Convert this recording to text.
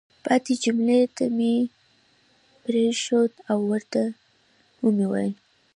پاتې جملې ته مې پرېنښود او ورته ومې ویل: